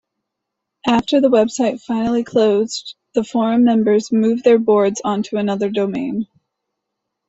After the website finally closed, the forum members moved their boards onto another domain.